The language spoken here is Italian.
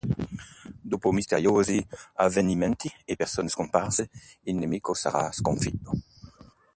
Dopo misteriosi avvenimenti e persone scomparse il nemico sarà sconfitto.